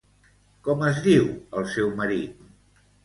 Com es diu el seu marit?